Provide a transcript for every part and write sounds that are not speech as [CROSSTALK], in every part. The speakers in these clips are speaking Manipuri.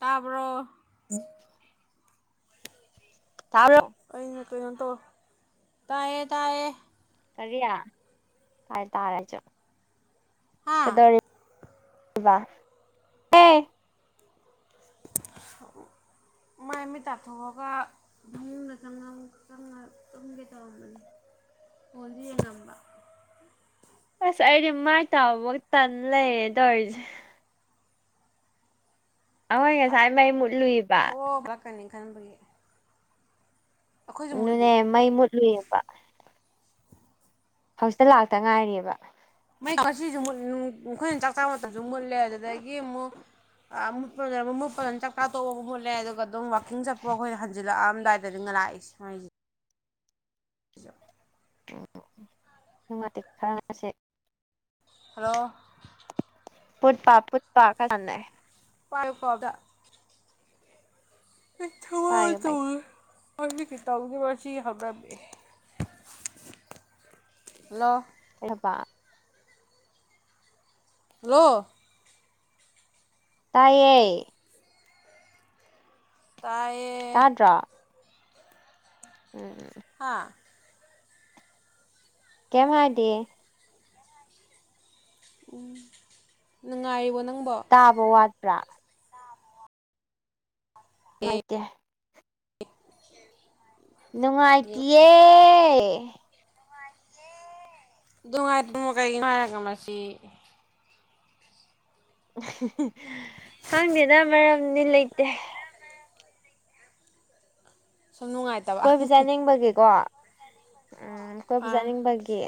ꯇꯥꯕ꯭ꯔꯣ ꯇꯥꯕ꯭ꯔꯣ ꯀꯩꯅꯣ ꯀꯩꯅꯣꯝ ꯇꯧ ꯇꯥꯏꯌꯦ ꯇꯥꯏꯌꯦ ꯀꯔꯤ ꯇꯥꯏ ꯇꯥꯔꯦ‌ ꯑꯩꯁꯨ ꯍꯥ ꯀꯩꯗꯧꯔꯤ ꯕ ꯑꯦ ꯃꯥꯏ ꯃꯤꯠ ꯇꯥꯊꯣꯛꯑꯒꯥ ꯐꯃꯨꯡꯗ ꯆꯪꯉ ꯆꯪꯉꯥ ꯇꯨꯝꯒꯦ ꯇꯧꯔꯝꯕꯅꯦ ꯐꯣꯟꯁꯨ ꯌꯦꯡꯉꯝꯕ ꯑꯁ ꯑꯩꯗꯤ ꯃꯥꯏ ꯇꯥꯕꯕꯧ ꯇꯟ ꯂꯩꯔꯦ ꯇꯧꯔꯤꯁꯦ ꯑꯩꯈꯣꯏ ꯉꯁꯥꯏ ꯃꯩ ꯃꯨꯠꯂꯨꯏꯕ [UNINTELLIGIBLE] ꯈꯟꯕꯒꯤ ꯑꯩꯈꯣꯏꯁꯨ ꯃꯨꯠꯂꯤ ꯑꯗꯨꯅꯦ ꯃꯩ ꯃꯨꯠꯂꯨꯏꯌꯦꯕ ꯍꯧꯖꯤꯛꯇ ꯂꯥꯛꯇ ꯉꯥꯏꯔꯤꯕ ꯃꯩ ꯉꯁꯤꯁꯨ ꯃꯨꯠ ꯑꯩꯈꯣꯏꯅ ꯆꯥꯛ ꯆꯥꯕ ꯃꯇꯝꯁꯨ ꯃꯨꯠꯂꯦ ꯑꯗꯨꯗꯒꯤ ꯑꯃꯨꯛ ꯑꯥ ꯃꯨꯠꯄꯗꯨꯅ ꯃꯨꯠꯄꯗꯨꯅ ꯆꯥꯛꯆꯥ ꯇꯣꯛꯑꯕꯨꯛ ꯃꯨꯠꯂꯦ ꯑꯗꯨꯒ ꯑꯗꯨꯝ ꯋꯥꯛꯀꯤꯡ ꯆꯠꯄ ꯑꯩꯈꯣꯏ ꯍꯟꯖꯤꯜꯂꯛꯑꯝꯗꯥꯏꯗꯅ‌ꯦꯉꯥ ꯂꯥꯛꯏꯁꯦ ꯃꯩꯁꯦ [UNINTELLIGIBLE] [UNINTELLIGIBLE] ꯍꯂꯣ ꯄꯨꯠ ꯄꯥꯠ ꯄꯨꯠ ꯄꯥꯠ ꯈꯔ ꯁꯥꯅꯩ ꯄꯥꯏꯌꯨꯀꯣ ꯑꯝꯇ ꯄꯥꯏꯒꯦ ꯄꯥꯏꯒꯦ [UNINTELLIGIBLE] ꯍꯂꯣ ꯀꯧꯍꯕꯥ ꯍꯜꯂꯣ ꯇꯥꯏꯌꯦ ꯇꯥꯏꯌꯦ ꯇꯥꯗ꯭ꯔꯣ ꯎꯝ ꯎꯝ ꯍꯥꯥ ꯀꯩꯏꯝ ꯍꯥꯏꯗꯦꯍꯦ ꯎꯝ ꯅꯨꯡꯉꯥꯏꯔꯤꯕꯣ ꯅꯪꯕꯣ ꯇꯥꯕ ꯋꯥꯠꯄ꯭ꯔꯥ ꯅꯨꯡꯥꯏꯇꯦ ꯅꯨꯡꯉꯥꯏꯇꯤꯌꯦ꯫ ꯅꯨꯡꯉꯥꯏꯤꯌꯦ ꯑꯗꯣ ꯉꯥꯏꯈꯣ ꯀꯩꯒꯤꯅꯣ ꯍꯥꯏꯔꯒ ꯃꯁꯤ ꯈꯪꯗꯦꯗ ꯃꯔꯝꯗꯤ ꯂꯩꯇꯦ꯫ ꯁꯨꯝ ꯅꯨꯡꯉꯥꯏ ꯀꯣꯏꯕ ꯆꯠꯅꯤꯡꯕꯒꯤꯀꯣ ꯎꯝ ꯀꯣꯏꯕ ꯑꯥ ꯆꯠꯅꯤꯡꯕꯒꯤ꯫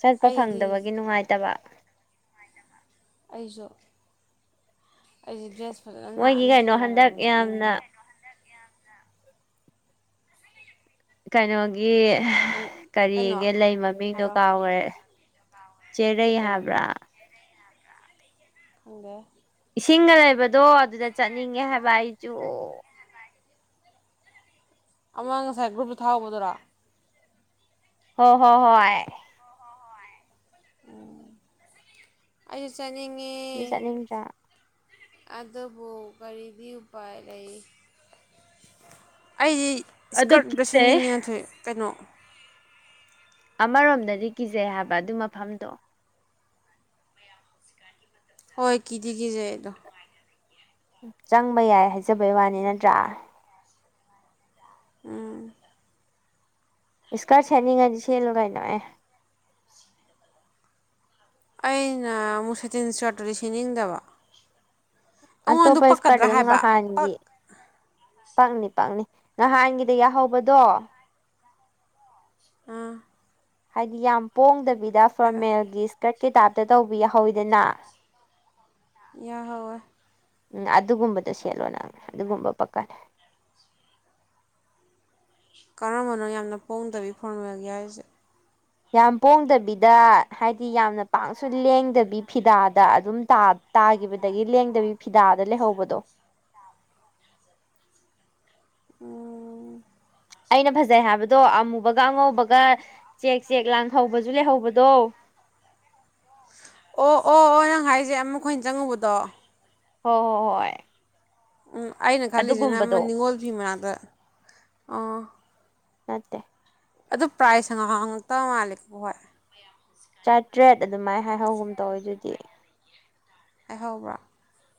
ꯆꯠꯄ ꯑꯩꯗꯤ ꯐꯪꯗꯕꯒꯤ ꯅꯨꯡꯉꯥꯏꯇꯕ꯫ ꯑꯩꯁꯨ ꯑꯩꯁꯦ ꯗ꯭ꯔꯦꯁ ꯐꯖꯅ ꯃꯣꯏꯒꯤ ꯅꯥꯟꯅ ꯀꯩꯅꯣ ꯍꯟꯗꯛ ꯁꯦꯜꯂꯒꯅ ꯆꯠꯅꯤꯡꯉꯦ ꯌꯥꯝꯅ ꯍꯥꯏꯕ꯫ ꯀꯩꯅꯣꯒꯤ ꯀꯩꯅꯣ ꯀꯔꯤꯒꯤ ꯂꯩ ꯃꯃꯤꯡꯗꯣ ꯍꯥꯏꯔꯣ ꯀꯥꯎꯈ꯭ꯔꯦ꯫ ꯆꯦꯔꯩ ꯍꯥꯏꯕ꯭ꯔꯥ ꯑꯣ ꯏꯁꯤꯡꯒ ꯂꯩꯕꯗꯣ ꯑꯗꯨꯗ ꯆꯠꯅꯤꯡꯉꯦ ꯍꯥꯏꯕ ꯑꯩꯁꯨ꯫ ꯑꯃꯥ ꯉꯁꯥꯏ ꯒ꯭ꯔꯨꯞꯇ ꯊꯥꯍꯧꯕꯗꯨꯔꯣ꯫ ꯍ ꯣꯍꯣ ꯍꯣꯏ꯫ ꯑꯩꯁꯨ ꯆꯥꯠꯅꯤꯡꯉꯤ ꯑꯗꯨ ꯆꯠꯅꯤꯡꯗ꯭ꯔꯥ ꯑꯗꯨꯕꯨ ꯀꯔꯤꯒꯤ ꯎꯄꯥꯏ ꯂꯩ꯫ ꯑꯩꯗꯤ ꯑꯗꯨ ꯏꯁꯀꯔꯠ ꯑꯝꯇ ꯀꯤꯖꯩ ꯁꯦꯝꯅꯤꯡꯉꯤ ꯀꯩꯅꯣ꯫ ꯑꯃꯔꯣꯝꯗꯗꯤ ꯀꯤꯖꯩ ꯍꯥꯏꯕ ꯑꯗꯨ ꯃꯐꯝꯗꯣ꯫ ꯍꯣꯏ ꯀꯤꯗꯤ ꯀꯤꯖꯩ ꯑꯩꯗꯣ꯫ ꯆꯪꯕ ꯌꯥꯏ ꯍꯥꯏꯖꯕꯩ ꯋꯥꯅꯤ ꯅꯠꯇ꯭ꯔꯥ꯫ ꯎꯝ꯫ ꯏꯁꯀꯔꯠ ꯁꯦꯠꯅꯤꯡꯉꯗꯤ ꯁꯦꯜꯂꯨ ꯀꯩꯅꯣ ꯑꯦ ꯑꯩ ꯉꯥꯍꯃꯨꯛ ꯁꯇꯤꯟ ꯁꯦꯁꯇꯣ ꯁꯦꯅꯤꯡꯗꯕ ꯑꯇꯣꯞꯄ ꯏꯁꯀꯔꯠ ꯑꯗꯨꯝꯒ ꯍꯥꯏꯕ ꯄꯛ ꯉꯍꯥꯟꯒꯤ꯫ ꯄꯥꯛꯅꯤ ꯄꯥꯛꯅꯤ ꯅꯍꯥꯟꯒꯤꯗ ꯌꯥꯎꯍꯧꯕꯗꯣ꯫ ꯑꯥ꯫ ꯍꯥꯏꯗꯤ ꯌꯥꯝ ꯄꯣꯡꯗꯕꯤꯗ ꯍꯥꯏꯔꯛꯑꯣ ꯐꯣꯔꯃꯦꯜꯒꯤ ꯏꯁꯀꯔꯠꯀꯤ ꯇꯥꯏꯞꯇ ꯇꯧꯕꯤ ꯌꯥꯍꯧꯋꯤꯗꯅ꯫ ꯌꯥꯍꯋꯥꯏ ꯎꯝ ꯑꯗꯨꯒꯨꯝꯕꯗꯣ ꯁꯦꯠꯂꯣ ꯅꯪ ꯑꯗꯨꯒꯨꯝꯕ ꯄꯛꯀꯥꯅꯤ ꯀꯔꯝꯕꯅꯣ ꯌꯥꯝꯅ ꯄꯣꯡꯗꯕꯤ ꯐꯣꯔꯃꯦꯜꯒꯤ ꯍꯥꯏꯔꯤꯁꯦ ꯌꯥꯝ ꯄꯣꯡꯗꯕꯤꯗ ꯍꯥꯏꯗꯤ ꯌꯥꯝꯅ ꯄꯥꯛꯁꯨ ꯂꯦꯡꯗꯕꯤ ꯐꯤꯗꯥꯗ ꯑꯗꯨꯝ ꯇꯥ ꯇꯥꯒꯤꯕꯗꯒꯤ ꯂꯦꯡꯗꯕꯤ ꯐꯤꯗꯥꯗ ꯂꯩꯍꯧꯕꯗꯣ ꯎꯝ ꯑꯩꯅ ꯐꯖꯩ ꯍꯥꯏꯕꯗꯣ ꯑꯃꯨꯕꯒ ꯑꯉꯧꯕꯒ ꯆꯦꯛ ꯆꯦꯛ ꯂꯥꯡꯍꯧꯕꯁꯨ ꯂꯩꯍꯧꯕꯗꯣ ꯑꯣ ꯑꯣ ꯑꯣ ꯅꯪ ꯍꯥꯏꯁꯦ ꯑꯃ ꯃꯈꯣꯏꯅ ꯆꯪꯉꯨꯕꯗꯣ ꯍꯣꯏ ꯍꯣꯏ ꯍꯣꯏ ꯎꯝ ꯑꯩꯅ ꯈꯜꯂꯤꯁꯤꯅ ꯑꯃ ꯑꯗꯨꯒꯨꯝꯕꯗꯣ ꯅꯤꯉꯣꯜ ꯐꯤ ꯃꯅꯥꯛꯇ ꯑꯣ ꯅꯠꯇꯦ ꯑꯗꯨ ꯄ꯭ꯔꯥꯏꯖ ꯍꯉꯛ ꯉꯛꯇ ꯃꯥꯜꯂꯦꯀꯣ ꯈꯣꯏ ꯆꯥꯇ꯭ꯔꯦꯠ ꯑꯗꯨꯃꯥꯏꯅ ꯍꯥꯏꯍꯧꯒꯨꯝ ꯇꯧꯏ ꯗꯨꯗꯤ ꯍꯥꯏꯍꯧꯕ꯭ꯔꯣ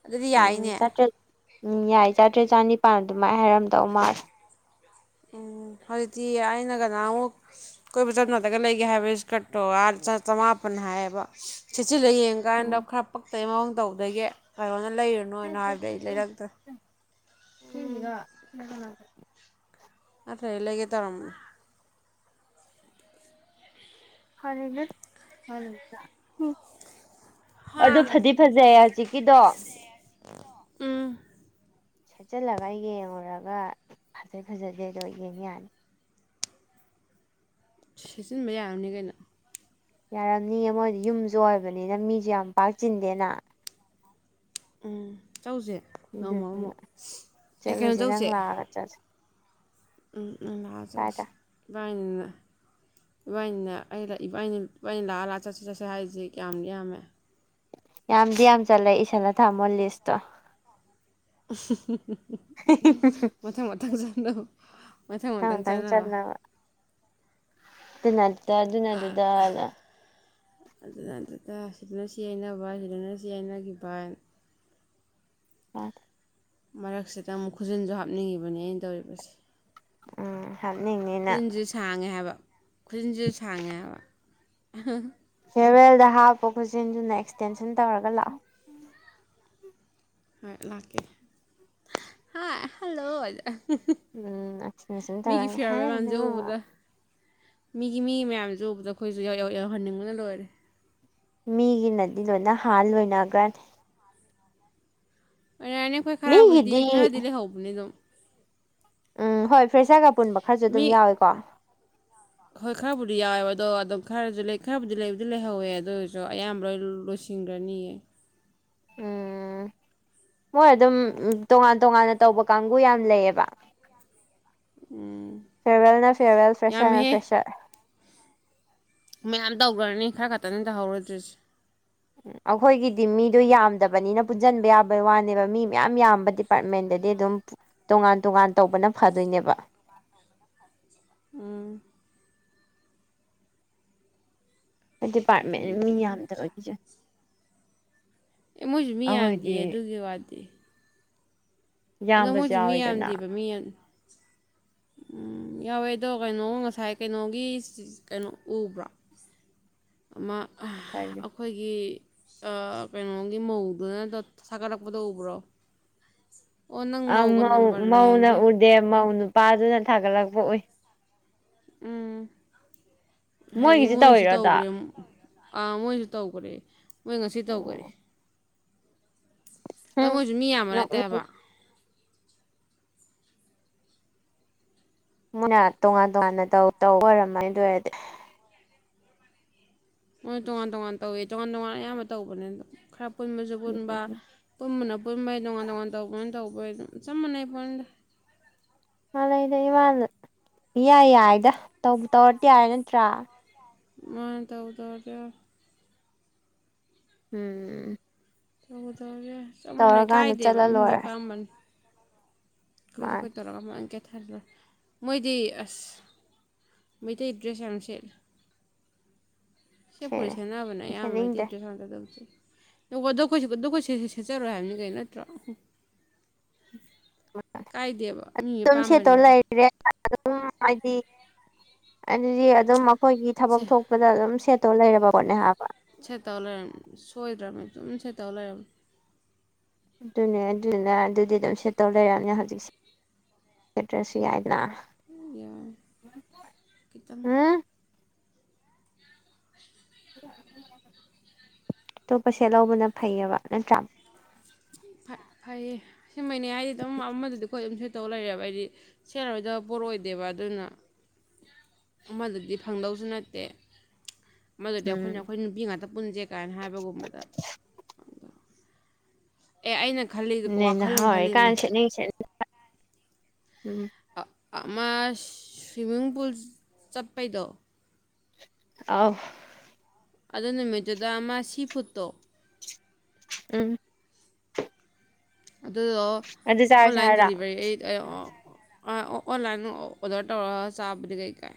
ꯑꯗꯨꯗꯤ ꯎꯝ ꯌꯥꯏꯅꯦ ꯆꯥꯇ꯭ꯔꯦꯠ ꯎꯝ ꯌꯥꯏ ꯆꯥꯇ꯭ꯔꯦꯠ ꯆꯥꯅꯤꯄꯥꯥꯟ ꯑꯗꯨꯃꯥꯏꯅ ꯍꯥꯏꯔꯝꯗꯧ ꯃꯥꯜꯂꯦ ꯎꯝ ꯍꯧꯖꯤꯛꯇꯤ ꯑꯩꯅ ꯀꯅꯥꯃꯨꯛ ꯀꯣꯏꯕ ꯆꯞꯅꯗꯒ ꯂꯩꯒꯦ ꯍꯥꯏꯕ ꯏꯁꯀꯠꯇꯣ ꯑꯥ ꯆꯥ ꯆꯃꯥꯄꯟ ꯍꯥꯏꯌꯦꯕ ꯁꯦꯁꯤꯜꯂ ꯌꯦꯡ ꯀꯥꯏꯅꯗꯣ ꯎꯝ ꯈꯔ ꯄꯛꯇꯩ ꯃꯑꯣꯡ ꯇꯧꯗꯒꯤ ꯀꯥꯏꯔꯣꯅ ꯂꯩꯔꯨꯅꯣꯅ ꯍꯥꯏꯕꯗ ꯑꯩ ꯂꯩꯔꯛꯇ꯭ꯔꯦ ꯏꯜꯂꯤꯒ ꯅꯇ꯭ꯔꯗꯤ ꯂꯩꯒꯦ ꯇꯧꯔꯝꯕꯅꯤ ꯍꯥ ꯑꯗꯨ ꯐꯗꯤ ꯐꯥꯖꯩ ꯍꯧꯖꯤꯛꯀꯤꯗꯣ ꯎꯝ ꯁꯦꯠꯆꯜꯂꯒ ꯌꯦꯡꯉꯨꯔꯒ ꯐꯖꯩ ꯐꯖꯗꯦ ꯗꯣ ꯌꯦꯡ ꯌꯥꯅꯤ ꯁꯦꯆꯟꯕ ꯌꯥꯔꯝꯅꯤ ꯀꯩꯅꯣ ꯌꯥꯔꯝꯅꯤ ꯃꯣꯏꯗꯤ ꯌꯨꯝꯁꯨ ꯑꯣꯏꯕꯅꯤꯅ ꯃꯤꯁꯨ ꯌꯥꯝ ꯄꯥꯛ ꯆꯤꯟꯗꯦꯅ ꯎꯝ ꯆꯧꯁꯦ ꯉꯣꯡꯃꯣ ꯑꯃꯣ ꯑꯗꯨꯗꯨꯅ ꯑꯦ ꯀꯩꯅꯣ ꯆꯠꯂꯨꯁꯦ ꯅꯪ ꯆꯧꯁꯦ [INAUDIBLE] ꯎꯝ ꯂꯥꯖꯧꯁ ꯀꯥꯏꯗ ꯏꯕꯅꯤꯅ ꯏꯕꯥꯅꯤꯅꯦ ꯑꯩ ꯏꯕꯥꯅꯤ ꯏꯕꯅꯤ ꯂꯥꯛꯑ ꯂꯥꯛ ꯆꯠꯁꯤ ꯆꯠꯁꯦ ꯍꯥꯏꯔꯤꯁꯤ ꯀꯌꯥꯝꯗꯤ ꯌꯥꯝꯃꯦ ꯌꯥꯝꯗꯤ ꯌꯥꯝ ꯆꯜꯂꯦ ꯏꯁꯜꯂ ꯊꯝꯃꯣ ꯂꯤꯁꯇꯣ꯫ ꯃꯊꯪ ꯃꯊꯪ [UNINTELLIGIBLE] ꯃꯊꯪ ꯃꯊꯪ ꯆꯠꯅꯕ ꯑꯗꯨꯅ ꯑꯗꯨꯗ ꯑꯗꯨꯅ ꯑꯗꯨꯗꯅ ꯑꯗꯨꯅ ꯑꯗꯨꯗ ꯁꯤꯗꯅ ꯁꯤ ꯍꯥꯏꯅꯕ ꯁꯤꯗꯅ ꯁꯤ ꯍꯥꯏꯅꯈꯤꯕꯥꯏ ꯑꯝ ꯃꯔꯛꯁꯤꯗ ꯑꯃꯨꯛ ꯈꯨꯖꯤꯟꯁꯨ ꯍꯥꯞꯅꯤꯡꯉꯤꯕꯅꯦ ꯑꯩꯅ ꯇꯧꯔꯤꯕꯁꯦ ꯎꯝ ꯍꯥꯞꯅꯤꯡꯉꯤꯅ ꯈꯨꯖꯤꯟꯁꯨ ꯁꯥꯡꯉꯦ ꯍꯥꯏꯕ ꯈꯨꯖꯤꯟꯁꯦ ꯁꯥꯡꯉꯦ ꯍꯥꯏꯕ ꯐꯦꯔꯋꯦꯜꯗ ꯍꯥꯞꯄꫭ ꯈꯨꯠꯆꯤꯟꯗꯨꯅ ꯑꯦꯛꯁꯇꯦꯟꯁꯟ ꯇꯧꯔꯒ ꯂꯥꯛꯑꯣ ꯍꯣꯏ ꯂꯥꯛꯀꯦ ꯍꯥꯏ ꯍꯜꯂꯣ ꯍꯏꯖ ꯎꯝ ꯑꯦꯛꯁꯇꯦꯟꯁꯟ ꯃꯤꯒꯤ ꯇꯧꯔꯒ ꯐꯦꯌꯥꯔꯋꯦꯜ ꯍꯥꯏ ꯃꯌꯥꯝꯖꯦ ꯅꯣ ꯎꯕꯗ ꯃꯤꯒꯤ ꯃꯤ ꯃꯌꯥꯝꯖꯨ ꯎꯕꯗ ꯑꯈꯣꯏꯖꯨ ꯌꯧꯍꯟꯅꯤꯡꯕꯅ ꯂꯣꯏꯔꯦ ꯃꯤꯒꯤꯅꯗꯤ ꯂꯣꯏꯅ ꯍꯥꯥꯟ ꯂꯣꯏꯅꯈ꯭ꯔꯅꯤ ꯑꯣꯏꯔꯅꯤ ꯑꯩꯈꯣꯏ ꯈꯔꯕꯨꯗꯤ ꯃꯤꯒꯤꯗꯤ ꯈꯔꯗꯤ ꯂꯩꯍꯧꯕꯅꯤ ꯑꯗꯨꯝ ꯎꯝ ꯍꯣꯏ ꯐ꯭ꯔꯦꯁ ꯁꯥꯔꯒ ꯄꯨꯟꯕ ꯈꯔꯁꯨ ꯃꯤ ꯑꯗꯨꯝ ꯌꯥꯎꯏꯀꯣ [INAUDIBLE] ꯍꯣꯏ ꯈꯔꯕꯨꯗꯤ ꯌꯥꯎꯋꯦꯕ ꯑꯗꯣ ꯑꯗꯨꯝ ꯈꯔꯁꯨ ꯂꯩ ꯈꯔꯕꯨꯗꯤ ꯂꯩꯕꯨꯗꯤ ꯂꯩꯍꯧꯋꯦ ꯑꯗꯨ ꯑꯣꯏꯔꯁꯨ ꯑꯌꯥꯝꯕ ꯂꯣꯏ ꯂꯣꯏꯁꯤꯟꯈ꯭ꯔꯅꯤꯌꯦ ꯎꯝ ꯃꯣꯏ ꯑꯗꯨꯝ ꯇꯣꯉꯥꯟ ꯇꯣꯉꯥꯟꯅ ꯇꯧꯕ ꯀꯥꯡꯕꯨ ꯌꯥꯝ ꯂꯩꯌꯦꯕ ꯎꯝ ꯐꯦꯔꯋꯦꯜꯅ ꯐꯦꯔꯋꯦꯜ ꯐ꯭ꯔꯦꯁꯔꯅ ꯌꯥꯝꯃꯦꯍꯦ ꯐ꯭ꯔꯦꯁꯔ ꯃꯌꯥꯝ ꯇꯧꯒ꯭ꯔꯅꯤ ꯈꯔ ꯈꯇꯅꯤ ꯇꯧꯍꯧꯔꯣꯏꯗ꯭ꯔꯤꯁ ꯎꯝ ꯑꯩꯈꯣꯏꯒꯤꯗꯤ ꯃꯤꯗꯣ ꯌꯥꯝꯗꯕꯅꯤꯅ ꯄꯨꯟꯁꯤꯟꯕ ꯌꯥꯕ ꯋꯥꯅꯦꯕ ꯃꯤ ꯃꯌꯥꯝ ꯌꯥꯝꯕ ꯗꯤꯄꯥꯔꯠꯃꯦꯟꯗꯗꯤ ꯑꯗꯨꯝ ꯇꯣꯉꯥꯟ ꯇꯣꯉꯥꯟ ꯇꯧꯕꯅ ꯐꯗꯣꯏꯅꯦꯕ ꯎꯝ ꯈꫭꯏ ꯗꯤꯄꯥꯔꯠꯃꯦꯟ ꯑꯗꯨꯅꯤ ꯃꯤ ꯐꯠꯇꯅꯤ ꯌꯥꯝꯗꯕꯒꯤꯁꯨ ꯑꯦ ꯃꯣꯏꯁꯨ ꯃꯤ ꯌꯥꯝꯗꯤꯌꯦ ꯑꯗꯨꯒꯤ ꯋꯥꯗꯤ ꯑꯗꯣ ꯌꯥꯝꯕꯁꯨ ꯃꯣꯏꯁꯨ ꯃꯤ ꯌꯥꯎꯋꯤꯗꯅ ꯌꯥꯝꯗꯦꯕ ꯃꯤ ꯎꯝ ꯌꯥꯎꯋꯦ ꯑꯗꯣ ꯀꯩꯅꯣ ꯉꯁꯥꯏ ꯀꯩꯅꯣꯒꯤ ꯀꯩꯅꯣ ꯎꯕ꯭ꯔꯣ ꯑꯃ ꯀꯔꯤ ꯑꯩꯈꯣꯏꯒꯤ ꯑꯥ ꯀꯩꯅꯣꯒꯤ ꯃꯧꯗꯨꯅ ꯊꯒꯠꯂꯛꯄꯗꯣ ꯎꯕ꯭ꯔꯣ ꯑꯣ ꯅꯪ ꯃꯧꯒ ꯅꯝꯕꯔ ꯂꯩꯅꯗꯦ ꯗꯦ ꯃꯧ ꯅꯨꯄꯥꯗꯨꯅ ꯊꯥꯒꯠꯂꯛꯄ ꯎꯏ ꯎꯝ ꯍꯥꯏꯗꯤ ꯃꯣꯏꯒꯤꯁꯨ ꯃꯣꯏꯁꯨ ꯇꯧꯋꯤꯔꯣ ꯑꯗꯣ ꯇꯧꯒ꯭ꯔꯦꯝ ꯑꯥ ꯃꯣꯏꯖꯨ ꯇꯧꯒ꯭ꯔꯦ ꯃꯣꯏ ꯉꯁꯤ ꯇꯧꯒ꯭ꯔꯦ ꯑꯣ ꯑꯗꯣ ꯍꯝ ꯃꯣꯏꯖꯨ ꯃꯤ ꯌꯥꯝꯕ ꯅꯠꯇꯦ ꯅꯣꯛꯅꯤꯡ ꯍꯥꯏꯕ ꯃꯣꯏꯅ ꯇꯣꯉꯥꯟ ꯇꯣꯉꯥꯟꯅ ꯇꯧ ꯇꯧ ꯑꯣꯏꯔꯝꯃꯅꯤ ꯑꯗꯨ ꯑꯣꯏꯔꯗꯤ ꯃꯣꯏ ꯇꯣꯉꯥꯟ ꯇꯣꯉꯥꯟ ꯇꯧꯋꯦ ꯇꯣꯉꯥꯟ ꯇꯣꯉꯥꯟ ꯑꯌꯥꯝꯕ ꯇꯧꯕꯅꯤ ꯑꯗꯨꯝ ꯈꯔ ꯄꯨꯟꯕꯖꯨ ꯄꯨꯟꯕ ꯄꯨꯝꯕꯅ ꯄꯨꯨꯝꯕꯩ ꯇꯣꯉꯥꯟ ꯇꯣꯉꯥꯟ ꯇꯧꯕꯅꯤꯅ ꯇꯧꯕꯩ ꯆꯞ ꯃꯥꯟꯅꯩ ꯄꯣꯠꯅꯤꯗ ꯃꯥꯅꯩꯗ ꯏꯃꯥꯟꯗ ꯏꯌꯥꯏ ꯌꯥꯏꯗ ꯇꯧꯕꯨ ꯇꯧꯔꯗꯤ ꯌꯥꯏ ꯅꯠꯇ꯭ꯔꯥ ꯃꯥꯅꯤ ꯇꯧꯕꯨ ꯇꯧꯔꯗꯤ ꯌꯥꯔꯦ ꯎꯝ ꯇꯧꯕꯨ ꯇꯧꯔꯗꯤ ꯌꯥꯔꯦ ꯆꯞ ꯃꯥꯟꯅꯩ ꯇꯧꯔꯀꯥꯟꯗ ꯀꯥꯏꯗꯦꯕ ꯆꯠꯂ ꯃꯤ ꯂꯣꯏꯔꯦ ꯃꯤꯄꯥꯝꯕꯅꯤ ꯈꯣꯏꯁꯨ ꯃꯥꯅ ꯈꯣꯏ ꯇꯧꯔꯒ [UNINTELLIGIBLE] [UNINTELLIGIBLE] ꯃꯣꯏꯗꯤ ꯑꯁ ꯃꯩꯇꯩ ꯗ꯭ꯔꯦꯁ ꯌꯥꯝ ꯁꯦꯠꯂꯦ ꯁꯦꯠꯄꯨꯗꯤ ꯁꯦꯠꯂꯦ ꯁꯦꯟꯅꯕꯅꯦ ꯑꯩ ꯑꯌꯥꯝꯕ ꯁꯦꯠꯅꯤꯡꯗꯦ ꯃꯩꯇꯩ ꯗ꯭ꯔꯦꯁ [UNINTELLIGIBLE] ꯑꯗꯨ ꯑꯩꯈꯣꯏ ꯁꯦ-ꯁꯦꯠꯆꯔꯣꯏ ꯍꯥꯏꯕꯅꯤ ꯀꯩꯅꯣ ꯅꯠꯇ꯭ꯔꯣ ꯍꯨꯍ꯫ ꯀꯥꯏꯗꯦꯕ ꯃꯤ ꯑꯗꯨꯝ ꯁꯦꯠꯇꯣ ꯑꯄꯥꯝꯕꯅꯦꯕ ꯂꯩꯔꯦ ꯑꯗꯨꯝ ꯍꯥꯏꯗꯤ ꯑꯗꯨꯗꯤ ꯑꯗꯨꯝ ꯑꯩꯈꯣꯏꯒꯤ ꯊꯕꯛ ꯁꯦ ꯊꯣꯛꯄꯗ ꯑꯗꯨꯝ ꯁꯦꯠ ꯇꯣ ꯂꯩꯔꯕꯕꯅꯦ ꯍꯥꯏꯕ ꯁꯦꯠꯇꯧ ꯂꯩꯔꯝꯅꯤ ꯁꯣꯏꯗ꯭ꯔꯕꯅꯤ ꯑꯗꯨꯝ ꯁꯦꯠꯇꯧ ꯂꯩꯔꯝꯃꯦ ꯑꯗꯨꯅꯦ ꯑꯗꯨꯗꯨꯅ ꯑꯗꯨꯗꯤ ꯑꯗꯨꯝ ꯁꯦꯠꯇꯧ ꯂꯩꯔꯝꯅꯦ ꯍꯧꯖꯤꯛꯁꯦ ꯁꯦꯇ꯭ꯔꯁꯨ ꯌꯥꯏꯗꯅ ꯌꯥ ꯀꯈꯤꯇꯪ ꯎꯝ [INAUDIBLE] ꯑꯇꯣꯞꯄ ꯁꯦꯠ ꯂꯧꯕꯅ ꯐꯩꯑꯕ ꯅꯠꯇ꯭ꯔꯥ ꯐꯩꯌꯦ ꯁꯤꯃꯩꯅꯤ ꯍꯥꯏꯗꯤ ꯑꯗꯨꯝ ꯑꯃꯗꯗꯤ ꯑꯩꯈꯣꯏ ꯑꯗꯨꯝ ꯁ ꯇꯧ ꯂꯩꯔꯦꯕ ꯑꯩꯗꯤ ꯁꯦꯔꯣꯏꯗ ꯄꯣꯔꯛꯑꯣꯏꯗꯦꯕ ꯑꯗꯨꯅ ꯑꯃꯗꯨꯗꯤ ꯐꯪꯗꯧꯁꯨ ꯅꯠꯇꯦ ꯃꯗꯨꯗꯤ ꯑꯩꯈꯣꯏꯅ ꯎꯝ ꯑꯩꯈꯣꯏ ꯅꯨꯄꯤ ꯉꯥꯛꯇ ꯄꯨꯟꯁꯦ ꯀꯥꯏꯅ ꯍꯥꯏꯕꯒꯨꯝꯕꯗ ꯑꯦ ꯑꯩꯅ ꯈꯜꯂꯤ ꯅꯦ ꯋꯥꯈꯜ ꯅꯍꯥ ꯑꯃ ꯑꯣꯏꯀꯥꯜ ꯈꯜꯂꯤꯕꯅꯤ ꯁꯦꯠꯅꯤꯡ ꯁꯦꯠ ꯎꯝ ꯃꯥ ꯁ꯭ꯋꯤꯃꯤꯡ ꯄꯨꯜ ꯆꯠꯄꯩꯗꯣ ꯑꯥꯎ ꯑꯗꯨ ꯅꯨꯃꯤꯠꯇꯨꯗ ꯑꯃ ꯁꯤ ꯐꯨꯠꯇꯣ ꯎꯝ ꯑꯗꯨꯗꯣ ꯑꯗꯨ ꯆꯥꯔꯁꯦ ꯑꯣꯟꯂꯥꯏꯟ ꯍꯥꯏꯔꯣ ꯗꯦꯂꯤꯚꯔꯤ ꯑꯩ ꯑꯣ ꯑꯣꯟꯂꯥꯏꯟ ꯑꯣꯗꯔ ꯇꯧꯔ ꯆꯥꯕꯗꯤ ꯀꯩꯀꯥꯏ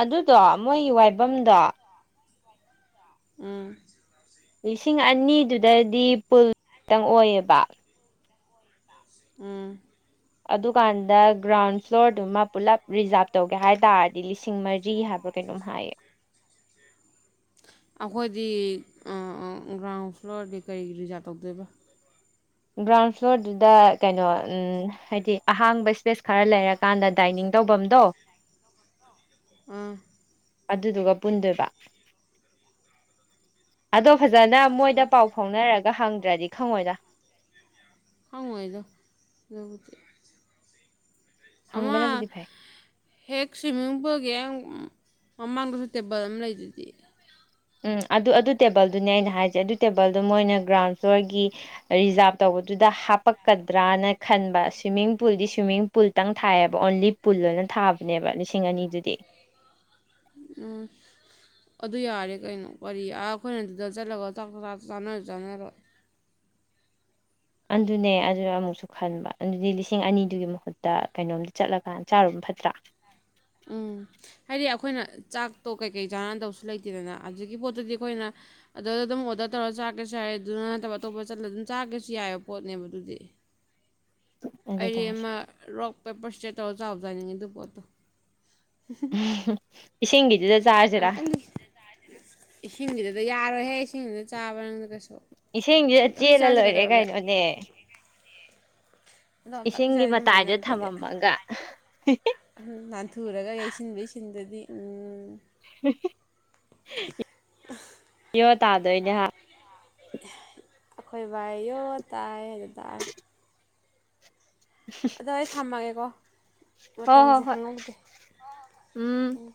ꯑꯗꯨꯗꯣ ꯃꯣꯏꯒꯤ ꯋꯥꯏꯐꯝꯗꯣ ꯎꯝ ꯂꯤꯁꯤꯡ ꯑꯅꯤꯗꯨꯗꯗꯤ ꯄꯨꯜ ꯈꯛꯇꯪ ꯑꯣꯏꯌꯦꯕ ꯎꯝ ꯑꯗꯨꯀꯥꯟꯗ ꯒ꯭ꯔꯥꯎꯟ ꯐ꯭ꯂꯣꯔꯗꯨꯃ ꯄꯨꯜꯂꯞ ꯔꯤꯖꯥꯞ ꯇꯧꯒꯦ ꯍꯥꯏ ꯇꯥꯔꯗꯤ ꯂꯤꯁꯤꯡ ꯃꯔꯤ ꯍꯥꯏꯕ ꯀꯩꯅꯣ ꯑꯗꯨꯝ ꯍꯥꯏꯌꯦ ꯑꯩꯈꯣꯏꯗꯤ ꯒ꯭ꯔꯥꯎꯟ ꯐ꯭ꯂꯣꯔꯗꯤ ꯀꯔꯤ ꯔꯤꯖꯥꯕ ꯇꯧꯗꯣꯏꯕ꯭ꯔꯣ ꯒ꯭ꯔꯥꯎꯟ ꯐ꯭ꯂꯣꯔꯗꯨꯗ ꯀꯩꯅꯣ ꯎꯝ ꯍꯥꯏꯗꯤ ꯑꯍꯥꯡꯕ ꯏꯁꯄꯦꯁ ꯈꯔ ꯂꯩꯔꯛ ꯀꯥꯟꯗ ꯗꯥꯏꯅꯤꯡ ꯇꯧꯐꯝꯗꯣ ꯎꯝ ꯑꯗꯨꯗꯨꯒ ꯄꯨꯟꯗꯣꯏꯕ ꯑꯗꯣ ꯐꯖꯅ ꯃꯣꯏꯗ ꯄꯥꯎ ꯐꯥꯎꯅꯔꯒ ꯍꯪꯗ꯭ꯔꯗꯤ ꯈꯪꯉꯣꯏꯗ ꯈꯪꯉꯣꯏꯗ ꯑꯃ ꯍꯪꯕꯅꯕꯨꯗꯤ ꯐꯩ ꯍꯦꯛ ꯁ꯭ꯋꯤꯃꯤꯡ ꯄꯨꯜꯒꯤ ꯑ ꯃꯃꯥꯡꯗꯁꯨ ꯇꯦꯕꯜ ꯑꯃ ꯂꯩꯗꯨꯗꯤ ꯎꯝ ꯑꯗꯨ ꯑꯗꯨ ꯇꯦꯕꯜꯗꯨꯅꯦ ꯑꯩꯅ ꯍꯥꯏꯁꯦ ꯑꯗꯨ ꯇꯦꯕꯜꯗꯣ ꯃꯣꯏꯅ ꯒ꯭ꯔꯥꯎꯟ ꯐ꯭ꯂꯣꯔꯒꯤ ꯔꯤꯖꯥꯚ ꯇꯧꯕꯗꯨꯗ ꯍꯥꯞꯄꯛꯀꯗ꯭ꯔꯅ ꯈꯟꯕ ꯁ꯭ꯋꯤꯝꯃꯤꯡ ꯄꯨꯜꯗꯤ ꯁ꯭ꯋꯤꯝꯃꯤꯡ ꯄꯨꯜꯇꯪ ꯊꯥꯏꯌꯦꯕ ꯑꯣꯟꯂꯤ ꯄꯨꯜ ꯂ ꯑꯣꯏꯅ ꯊꯥꯕꯅꯦꯕ ꯂꯤꯁꯤꯡ ꯑꯅꯤꯗꯨꯗꯤ ꯎꯝ ꯑꯗꯨ ꯌꯥꯔꯦ ꯀꯩꯅꯣ ꯀꯔꯤ ꯑꯥ ꯑꯩꯈꯣꯏꯅ ꯑꯗꯨꯗ ꯆꯠꯂꯒ ꯆꯥꯟꯅꯔ ꯆꯥꯟꯅꯔꯣꯏ ꯑꯗꯨꯅꯦ ꯑꯗꯨꯅ ꯑꯃꯨꯛꯁꯨ ꯈꯟꯕ ꯑꯗꯨꯗꯤ ꯂꯤꯁꯤꯡ ꯑꯅꯤꯗꯨꯒꯤ ꯃꯍꯨꯠꯇ ꯀꯩꯅꯣꯝꯗ ꯆꯠꯂꯀꯥꯟ ꯆꯥꯔꯨꯕ ꯐꯠꯇ꯭ꯔꯥ ꯎꯝ ꯍꯥꯏꯗꯤ ꯑꯩꯈꯣꯏꯅ ꯆꯥꯛꯇꯣ ꯀꯩꯀꯩ ꯆꯥꯅꯅꯗꯧꯁꯨ ꯂꯩꯇꯦꯗꯅ ꯑꯗꯨꯒꯤ ꯄꯣꯠꯇꯨꯗꯤ ꯑꯩꯈꯣꯏꯅ ꯑꯗꯨꯗ ꯑꯗꯨꯝ ꯑꯣꯔꯗꯔ ꯇꯧꯔꯒ ꯆꯥꯒ꯭ꯔꯁꯨ ꯌꯥꯏꯌꯦ ꯑꯗꯨꯅ ꯅꯠꯇꯕ ꯑꯇꯣꯞꯄ ꯆꯠꯂꯒ ꯑꯗꯨꯝ ꯆꯥꯒ꯭ꯔꯁꯨ ꯌꯥꯏꯑꯕ ꯄꯣꯠꯅꯦꯕ ꯑꯗꯨꯗꯤ ꯑꯩ ꯑꯗꯨꯅꯦ ꯍꯥꯏꯁꯦ ꯑꯃ ꯔꯣꯛ ꯄꯦꯄꯔ ꯏꯁꯇ꯭ꯔꯦꯠ ꯇꯧꯔꯒ ꯆꯥꯎꯕ ꯆꯥꯅꯤꯡꯉꯦ ꯑꯗꯨ ꯄꯣꯠꯇꯣ ꯎ ꯏꯁꯤꯡꯒꯤꯗꯨꯗ ꯆꯥꯁꯤꯔꯥ ꯑꯝꯇꯪꯗꯤ ꯏꯁꯤꯡꯒꯤꯗꯨꯗ ꯌꯥꯔꯣꯏꯍꯦ ꯏꯁꯤꯡꯁꯤꯗ ꯆꯥꯕ ꯅꯪꯗ ꯀꯩꯁꯨ ꯏꯁꯤꯡꯁꯤꯗ ꯑꯝꯇꯗꯝ ꯆꯦꯜꯂ ꯆꯥꯖꯦ ꯂꯣꯏꯔꯦ ꯀꯩꯗꯧꯔꯒꯦ ꯀꯩꯅꯣꯅꯦ ꯑꯗꯣ ꯑꯝꯇꯪ ꯏꯁꯤꯡꯒꯤ ꯆꯥꯁꯦ ꯑꯗꯨꯃꯥꯏꯅ ꯃꯇꯥꯏꯗ ꯑꯝꯇꯗꯤ ꯊꯝꯃꯝꯃꯒ ꯅꯥꯟꯊꯨꯔꯒ ꯌꯩꯁꯤꯟꯕꯩ ꯁꯤꯟꯗꯨꯗꯤ ꯎꯝ ꯌꯣ ꯇꯥꯗꯣꯏꯅꯦ ꯍꯥ ꯑꯩꯈꯣꯏ ꯚꯥꯏ ꯌꯣ ꯇꯥꯏ ꯍꯥꯢꯗꯣ ꯇꯥꯔꯦ ꯑꯗꯣ ꯑꯩ ꯊꯝꯃꯒꯦꯀꯣ ꯍꯣ ꯍꯣ ꯃꯇꯝꯁꯦ ꯍꯣꯏ ꯈꯪꯍꯧꯗꯦ ꯎꯝ